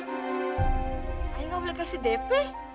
ayah nggak boleh kasih dp